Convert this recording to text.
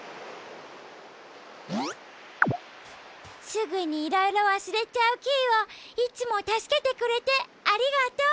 すぐにいろいろわすれちゃうキイをいつもたすけてくれてありがとう。